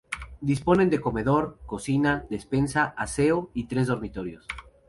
Disponen de comedor, cocina, despensa, aseo y tres dormitorios.